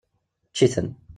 Ečč-iten!